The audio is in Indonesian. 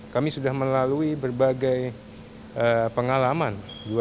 kami sudah melalui berbagai pengalaman dua ribu sembilan dua ribu empat belas dua ribu sembilan belas